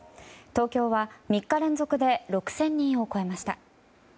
東京は３日連続で６０００人を超えました。